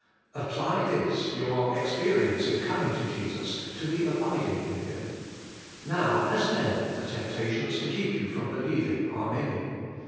Apply this, your experience in coming to Jesus, to the abiding in Him. Now, as then, the temptations to keep you from believing are many.